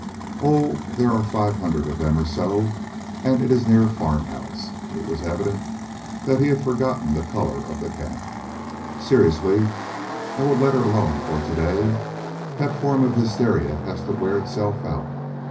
"Oh, there are five hundred or so of them, and it is near a farmhouse." It was evident that he had forgotten the colour of the camp. "Seriously, I would let her alone for to day. That form of hysteria has to wear itself out.